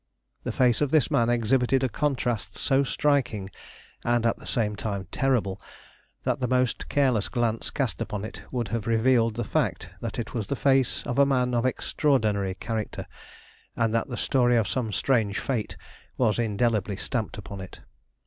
The face of this man exhibited a contrast so striking and at the same time terrible, that the most careless glance cast upon it would have revealed the fact that it was the face of a man of extraordinary character, and that the story of some strange fate was indelibly stamped upon it.